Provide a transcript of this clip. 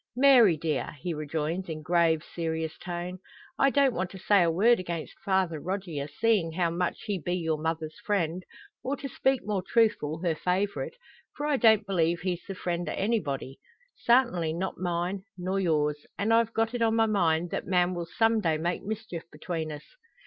"Mary dear!" he rejoins in grave, serious tone, "I don't want to say a word against Father Rogier, seein' how much he be your mother's friend; or, to speak more truthful, her favourite; for I don't believe he's the friend o' anybody. Sartinly, not mine, nor yours; and I've got it on my mind that man will some day make mischief between us."